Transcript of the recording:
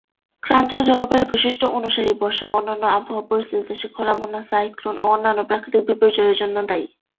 ক্রান্তীয় জলবায়ুর বৈশিষ্ট্য অনুসারেই বর্ষা ও অন্যান্য আবহাওয়া পরিস্থিতি দেশে খরা, বন্যা, সাইক্লোন ও অন্যান্য প্রাকৃতিক বিপর্যয়ের জন্য দায়ী।